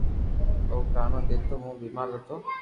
او ڪافو دينو مون بيمار ھتو